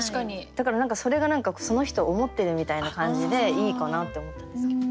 だから何かそれがその人を思ってるみたいな感じでいいかなって思ったんですけど。